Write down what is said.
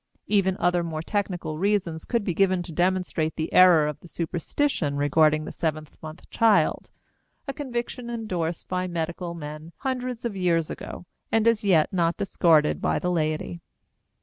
Even other more technical reasons could be given to demonstrate the error of the superstition regarding the seventh month child a conviction endorsed by medical men hundreds of years ago and as yet not discarded by the laity.